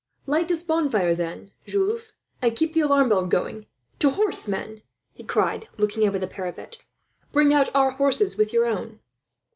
"Light this bonfire then, Jules, and keep the alarm bell going. "To horse, men!" he cried, looking over the parapet. "Bring out our horses with your own."